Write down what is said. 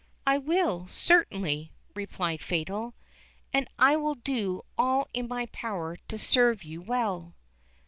"I will, certainly," replied Fatal; "and I will do all in my power to serve you well."